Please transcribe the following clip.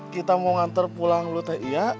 kita mau ngantar pulang dulu tehia